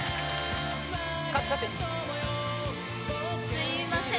すいません